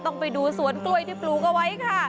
ต้องไปดูสวนกล้วยที่ปลูกเอาไว้ค่ะ